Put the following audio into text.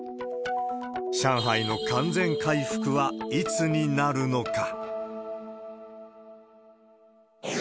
上海の完全回復はいつになるのか。